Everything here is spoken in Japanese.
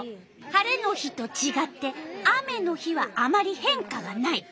晴れの日とちがって雨の日はあまり変化がない。